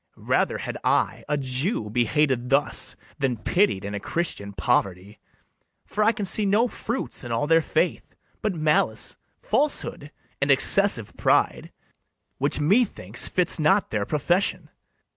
Rather had I, a Jew, be hated thus, Than pitied in a Christian poverty; For I can see no fruits in all their faith, But malice, falsehood, and excessive pride, Which methinks fits not their profession.